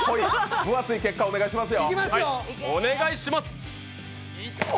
分厚い結果をお願いしますよ。